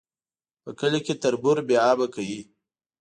په کلي کي تربور بې آبه کوي